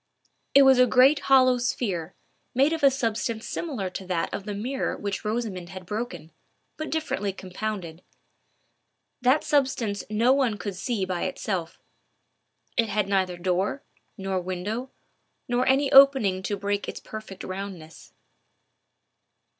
It was a great hollow sphere, made of a substance similar to that of the mirror which Rosamond had broken, but differently compounded. That substance no one could see by itself. It had neither door, nor window, nor any opening to break its perfect roundness.